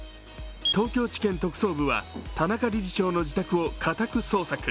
東京地検特捜部は田中理事長の自宅を家宅捜索。